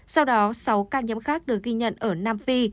sau đó sáu ca nhiễm khác được ghi nhận ở nam phi